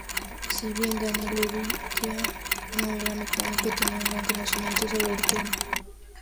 Si bien Daniel Urrutia no era mecánico, tenía un gran conocimiento sobre el tema.